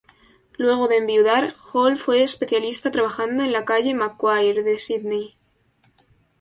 Luego de enviudar, Hall fue especialista trabajando en la calle Macquarie, de Sídney.